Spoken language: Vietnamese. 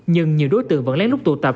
nhưng nhiều đối tượng vẫn lấy lúc tụ tập